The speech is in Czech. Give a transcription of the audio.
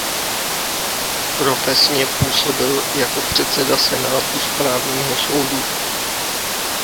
Profesně působil jako předseda senátu správního soudu.